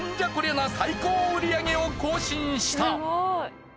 な最高売上を更新した。